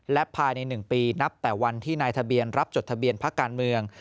และภายใน๑ปีนับแต่วันที่นายทะเบียนรับจดทะเบียนพักการเมือง